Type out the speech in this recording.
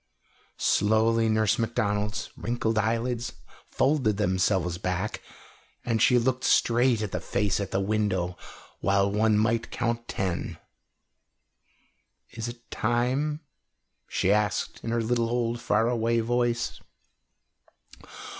Slowly Nurse Macdonald's wrinkled eyelids folded themselves back, and she looked straight at the face at the window while one might count ten. "Is it time?" she asked in her little old, faraway voice.